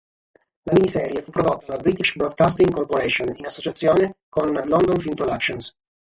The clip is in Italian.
La miniserie fu prodotta da British Broadcasting Corporation in associazione con London Film Productions.